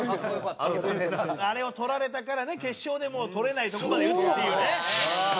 あれを捕られたからね決勝で捕れないとこまで打つっていうね。